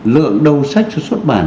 lượng đầu sách xuất bản